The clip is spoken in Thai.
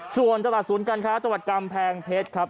ส่วนตลาดศูนย์การค้าจังหวัดกำแพงเพชรครับ